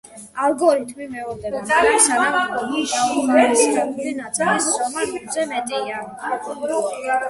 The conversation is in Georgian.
ალგორითმი მეორდება მანამ, სანამ დაუხარისხებელი ნაწილის ზომა ნულზე მეტია.